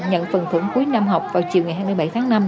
nhận phần thưởng cuối năm học vào chiều ngày hai mươi bảy tháng năm